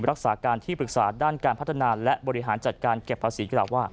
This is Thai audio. รักษาการที่ปรึกษาด้านการพัฒนาและบริหารจัดการเก็บภาษีกล่าวว่า